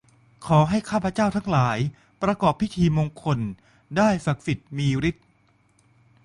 ขอให้ข้าพเจ้าทั้งหลาย ประกอบมงคลพิธี ได้ศักดิ์สิทธิ์มีฤทธิ์